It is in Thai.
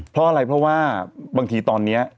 เพราะอะไรเพราะว่าบางทีตอนนี้